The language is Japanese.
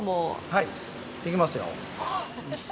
はい、できますよ。